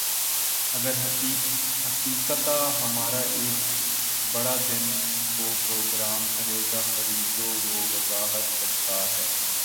اگر حقیقتا ہمارا ایک برا دن ہو پروگرام کہے گا خریدو وہ وضاحت کرتا ہے